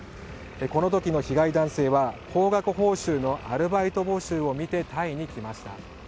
この時の被害男性は、高額報酬のアルバイト募集を見てタイに来ました。